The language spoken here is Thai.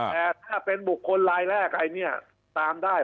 แต่ถ้าเป็นบุคคลรายแรกอันนี้ตามได้